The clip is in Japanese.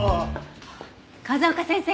風丘先生。